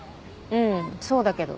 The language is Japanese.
うんそうだけど。